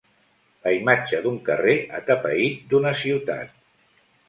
La imatge d'un carrer atapeït d'una ciutat.